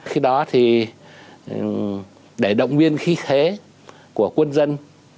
khi đó thì để động viên khí thế của quân dân